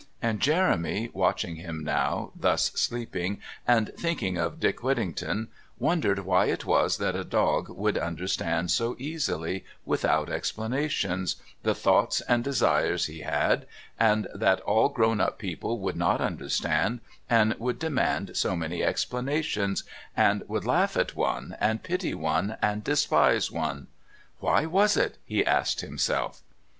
And Jeremy, watching him now, thus sleeping, and thinking of Dick Whittington, wondered why it was that a dog would understand so easily, without explanations, the thoughts and desires he had, and that all grown up people would not understand, and would demand so many explanations, and would laugh at one, and pity one, and despise one. Why was it? he asked himself.